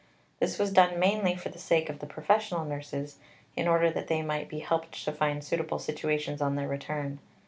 This was done mainly for the sake of the professional nurses, in order that they might be helped to find suitable situations on their return.